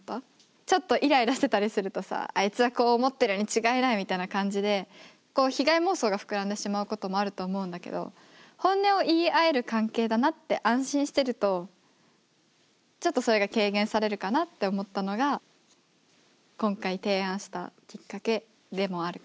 ちょっとイライラしてたりするとさあいつはこう思ってるに違いないみたいな感じでこう被害妄想が膨らんでしまうこともあると思うんだけど本音を言い合える関係だなって安心してるとちょっとそれが軽減されるかなって思ったのが今回提案したきっかけでもあるかな。